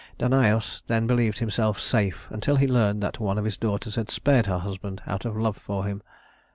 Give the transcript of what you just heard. Danaüs then believed himself safe, until he learned that one of his daughters had spared her husband out of love for him.